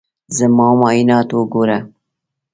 زما معاینات وګوره.